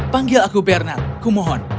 panggil aku bernad kumohon